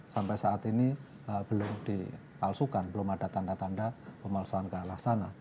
sampai saat ini belum dipalsukan belum ada tanda tanda pemalsuan ke arah sana